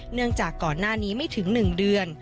เนื่องจากก่อนหน้านี้ไม่ถึง๑เดือน